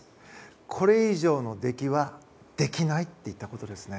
これ以上の出来はできないと言ったことですね。